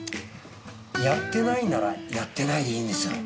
やってないならやってないでいいんですよ。